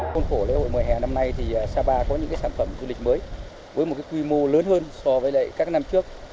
trong khổ lễ hội mùa hè năm nay thì sapa có những sản phẩm du lịch mới với một quy mô lớn hơn so với các năm trước